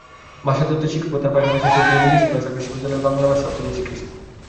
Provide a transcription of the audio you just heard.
ভাষাতত্ত্বের শিক্ষকতার পাশাপাশি টোকিও বিদেশি ভাষা বিশ্ববিদ্যালয়ে বাংলা ভাষাও তিনি শিখিয়েছেন।